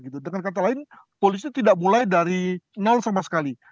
dengan kata lain polisi tidak mulai dari nol sama sekali